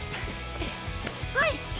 はい！